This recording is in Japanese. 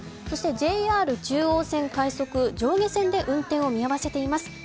そしてＪＲ中央線快速、上下線で運転を見合わせています。